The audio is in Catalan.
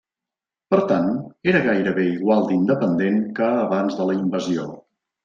Per tant, era gairebé igual d'independent que abans de la invasió.